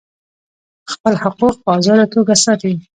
خپل حقوق په آزاده توګه ساتي.